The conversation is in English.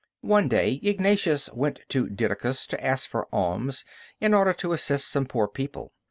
One day Ignatius went to Didacus to ask for alms in order to assist some poor people.